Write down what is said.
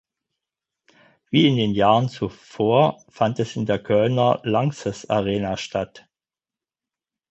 Wie in den Jahren zuvor fand es in der Kölner Lanxess Arena statt.